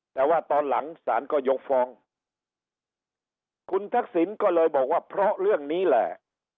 แต่ว่าตอนหลังศาลก็ยกฟ้องคุณทักษิณก็เลยบอกว่าเพราะเรื่องนี้แหละ